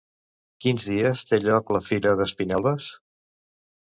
Quins dies té lloc la "Fira d'Espinelves"?